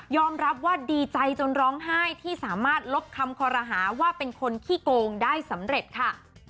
รับว่าดีใจจนร้องไห้ที่สามารถลบคำคอรหาว่าเป็นคนขี้โกงได้สำเร็จค่ะ